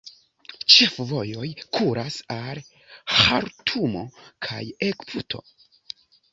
Ĉefvojoj kuras al Ĥartumo kaj Egipto.